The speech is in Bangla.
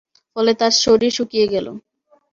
ফলে তার শরীর শুকিয়ে গেল।